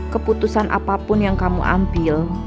keputusan apapun yang kamu ambil